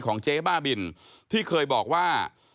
เจ๊บ้าบินที่เคยบอกว่า